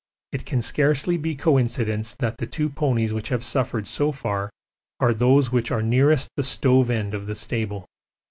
It can scarcely be coincidence that the two ponies which have suffered so far are those which are nearest the stove end of the stable.